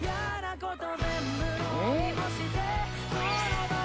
うん。